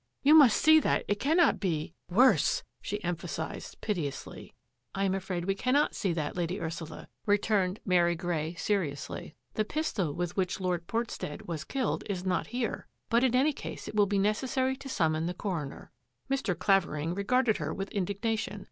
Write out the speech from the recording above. You must see that it cannot be — worse^^^ she emphasised, piteously. " I am afraid we cannot see that. Lady Ursula," returned Mary Grey seriously. " The pistol with which Lord Portstead was killed is not here. But in any case it will be necessary to summon the coroner." Mr. Clavering regarded her with indignation.